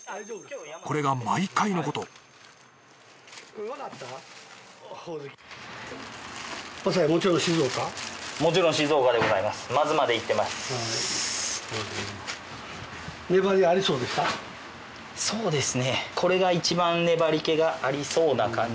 これが毎回のことそうですね。